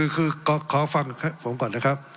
คือขอฟังผมก่อนนะครับ